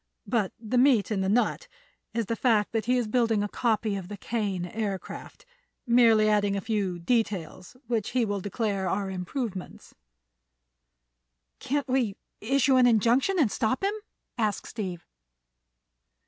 But the meat in the nut is the fact that he is building a copy of the Kane Aircraft, merely adding a few details which he will declare are improvements." "Can't we issue an injunction and stop him?" asked Steve.